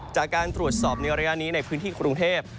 จากการตรวจสอบในระยะนี้ในพื้นที่กรุงเทพ